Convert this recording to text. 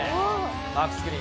バックスクリーン。